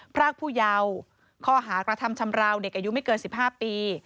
พรากผู้เยาว์ข้อหากระทำชำราวเด็กอายุไม่เกิน๑๕ปี